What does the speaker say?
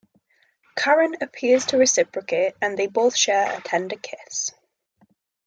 Karen appears to reciprocate and they both share a tender kiss.